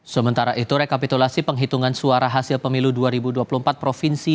sementara itu rekapitulasi penghitungan suara hasil pemilu dua ribu dua puluh empat provinsi